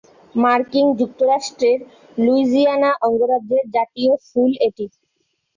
মার্কিন যুক্তরাষ্ট্রের লুইজিয়ানা অঙ্গরাজ্যের জাতীয় ফুল এটি।